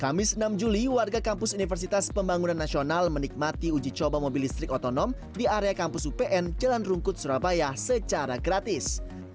kamis enam juli warga kampus universitas pembangunan nasional menikmati uji coba mobil listrik otonom di area kampus upn jalan rungkut surabaya secara gratis